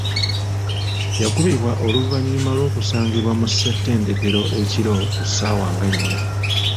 Yakubibwa oluvannyuma lw'okusangibwa mu ssenttedekero ekiro ku saawa nga nnya.